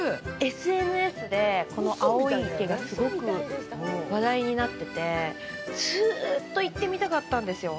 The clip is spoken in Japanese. ＳＮＳで、この青い池がすごく話題になっててずーっと行ってみたかったんですよ。